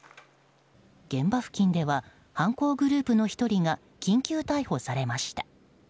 現場付近では犯行グループの１人が緊急逮捕されました。